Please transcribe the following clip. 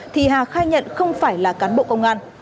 thì hà khai nhận không phải là cán bộ công an